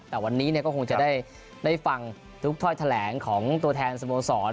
แต่วันนี้ก็คงจะได้ฟังทุกถ้อยแถลงของตัวแทนสโมสร